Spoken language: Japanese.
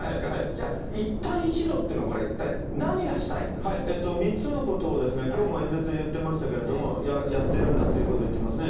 じゃあ、一帯一路っていうの、これ、３つのことを、きょうも演説で言ってましたけど、やってるんだということを言ってますね。